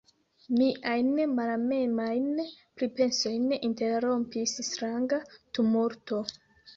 Miajn malamemajn pripensojn interrompis stranga tumulto.